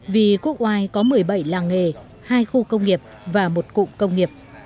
vì quốc ngoài có một mươi bảy làng nghề hai khu công nghiệp và một cụm công nghiệp